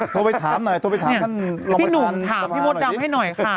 โทรไปถามท่านพี่หนุ่มถามพี่มดดำให้หน่อยค่ะ